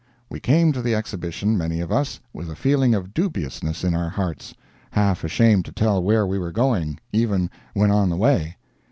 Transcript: We came to the exhibition, many of us, with a feeling of dubiousness in our hearts—half ashamed to tell where we were going, even when on the way.